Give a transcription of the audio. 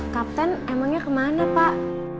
kapten emangnya kemana pak